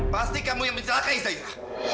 pasti kamu yang mencelakai saja